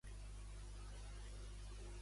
Què ha declarat Campuzano?